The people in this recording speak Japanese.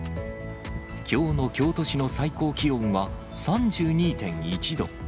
きょうの京都市の最高気温は、３２．１度。